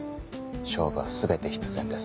勝負は全て必然です。